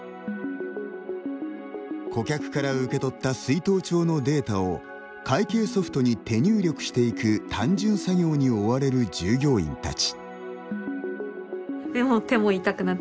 顧客から受け取った出納帳のデータを会計ソフトに手入力していく単純作業に追われる従業員たち。